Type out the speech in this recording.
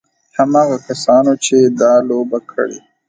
هماغه کسانو چې دا لوبه کړې.